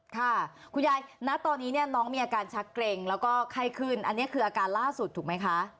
ค่ะคุณยายณตอนนี้เนี่ยน้องมีอาการชักเกร็งแล้วก็ไข้ขึ้นอันนี้คืออาการล่าสุดถูกไหมคะ